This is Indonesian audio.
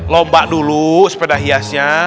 lomba dulu sepeda hiasnya